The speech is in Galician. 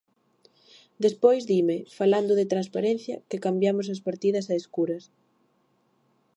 Despois dime, falando de transparencia, que cambiamos as partidas a escuras.